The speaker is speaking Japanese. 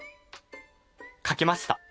かけました。